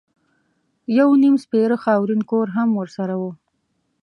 یو نیم سپېره خاورین کور هم ورسره و.